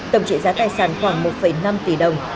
tổng trị giá tài sản khoảng một năm tỷ đồng